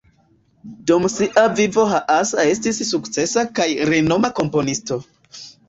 Dum sia vivo Haas estis sukcesa kaj renoma komponisto.